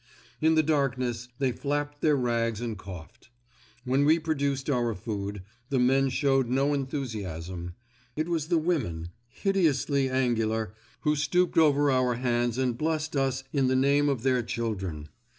In the darkness they flapped their rags and coughed. When we produced our food, the men showed no enthusiasm. It was the women, hideously angular, who stooped over our hands and blessed us in the name of their children.